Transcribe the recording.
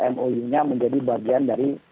mou nya menjadi bagian dari